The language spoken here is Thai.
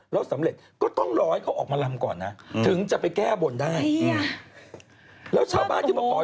ซึ่งก็มีเป็นประจำแต่ต้องรอให้เขาออกมารำก่อน